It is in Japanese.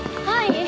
はい！